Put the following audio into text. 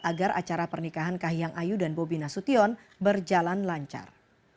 agar acara pernikahan kahiyang ayu dan bobi nasution berjalan lancar